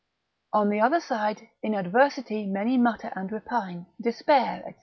On the other side, in adversity many mutter and repine, despair, &c.